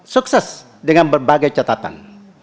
sukses dengan berbagai catatan